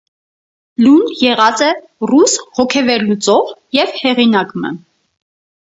Լուն եղած է ռուս հոգեվերլուծող եւ հեղինակ մը։